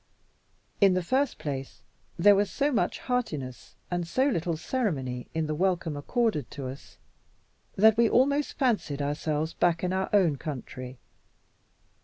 In the first place, there was so much heartiness, and so little ceremony, in the welcome accorded to us, that we almost fancied ourselves back in our own country.